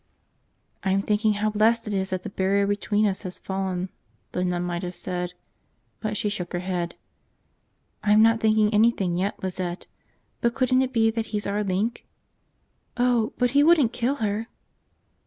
I'm thinking how blessed it is that the barrier between us has fallen, the nun might have said. But she shook her head. "I'm not thinking anything yet, Lizette. But couldn't it be that he's our link?" "Oh, but he wouldn't kill her!"